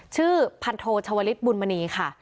ชื่อพันธโทชาวลิศบุญมณีค่ะ